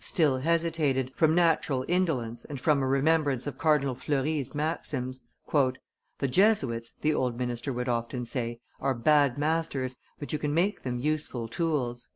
still hesitated, from natural indolence and from remembrance of Cardinal Fleury's maxims. "The Jesuits," the old minister would often say, "are bad masters, but you can make them useful tools."